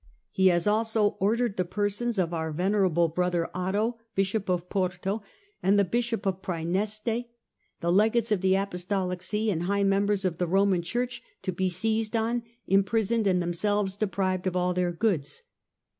He has also ordered the persons of our venerable brother Otho, Bishop of Porto, and of the Bishop of Praeneste, the Legates of the Apostolic See and high members of the Roman Church, to be seized on, imprisoned and them selves deprived of all their goods.